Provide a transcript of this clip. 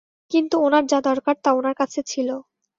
কিন্তু ওনার যা দরকার তা ওনার কাছে ছিল।